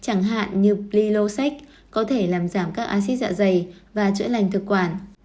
chẳng hạn như pli losex có thể làm giảm các acid dạ dày và chữa lành thực quản